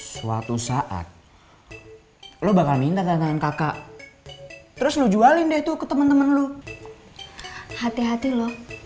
suatu saat lu bakal minta tantang kakak terus lu jualin deh tuh ke temen temen lu hati hati loh